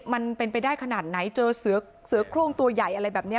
มันเป็นไปได้ขนาดไหนเจอเสือโครงตัวใหญ่อะไรแบบนี้